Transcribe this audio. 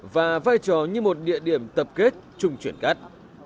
và vai trò như một địa điểm tập kết chung chuyển cát